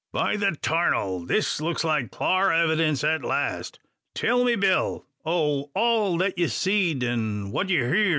"By the 'tarnal! this looks like clar evydince at last. Tell me, Bill, o' all that you seed an' what you heern?"